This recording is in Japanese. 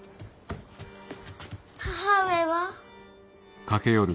母上は？